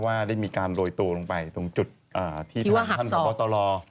ว่าได้มีการโดยตัวลงไปตรงจุดที่ทางคุณพันธ์พรฟศ์ตลอร์